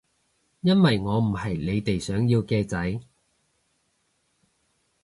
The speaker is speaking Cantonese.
因為我唔係你哋想要嘅仔